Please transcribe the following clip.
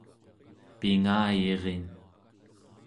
pingayirin